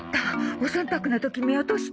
お洗濯の時見落とした。